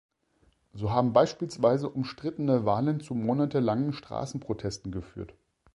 So haben beispielsweise umstrittene Wahlen zu monatelangen Straßenprotesten geführt.